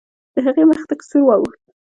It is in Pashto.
د هغې مخ تک سور واوښت.